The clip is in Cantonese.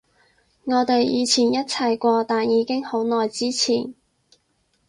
我哋以前一齊過，但已經好耐之前